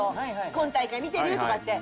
「今大会見てる？」とかって。